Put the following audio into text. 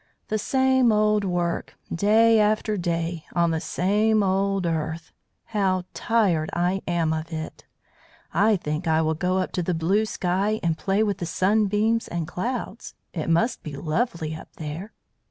The same old work, day after day, on the same old earth. How tired I am of it! I think I will go up to the blue sky and play with the sunbeams and clouds. It must be lovely up there."